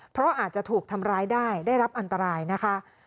เพราะอาจจะถูกทำร้ายได้ได้รับอันตรายนะคะ